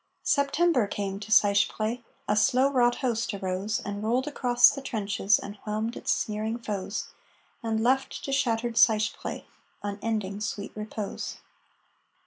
September came to Seicheprey; A slow wrought host arose And rolled across the trenches And whelmed its sneering foes, And left to shattered Seicheprey Unending, sweet repose.